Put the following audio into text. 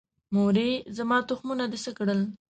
مورې، زما تخمونه دې څه کړل؟